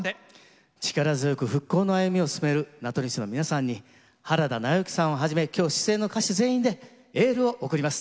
力強く復興の歩みを進める名取市の皆さんに原田直之さんをはじめ今日出演の歌手全員でエールを送ります。